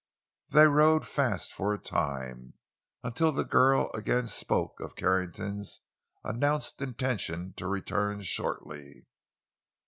They rode fast for a time, until the girl again spoke of Carrington's announced intention to return shortly.